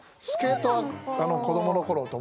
スケートは子どものころ